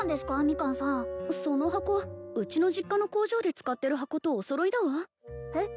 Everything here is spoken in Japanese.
ミカンさんその箱うちの実家の工場で使ってる箱とお揃いだわえっ？